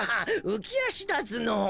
うきあしだつのう。